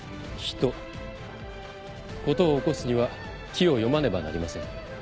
事を起こすには機を読まねばなりません。